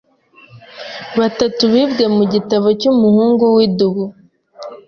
batatu bibwe mu gitabo cyumuhungu widubu